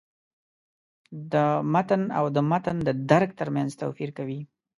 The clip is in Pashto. د «متن» او «د متن د درک» تر منځ توپیر کوي.